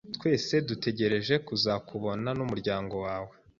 Twese dutegereje kuzakubona n'umuryango wawe.